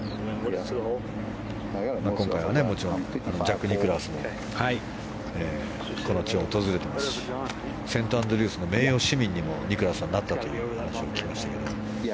今回はもちろんジャック・ニクラウスもこの地を訪れてますしセントアンドリュースの名誉市民にも、ニクラウスはなったという話を聞きましたけど。